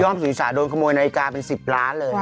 พี่อ้อมสูนีสาโดนขโมยนาฬิกาเป็น๑๐ล้านเลย